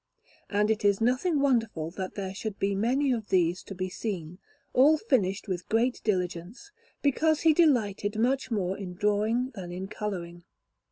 And it is nothing wonderful that there should be many of these to be seen, all finished with great diligence, because he delighted much more in drawing than in colouring.